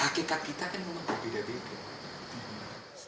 hakikat kita kan memang berbeda beda